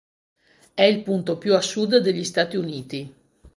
È il punto più a sud degli Stati Uniti